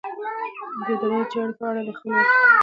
د ادارې چارو په اړه د خپلو وړتیاوو پر بنسټ نظریه وړاندې کړئ.